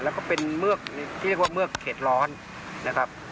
แล้วก็เป็นเมือกที่เรียกว่าเมือกเข็ดร้อนนะครับ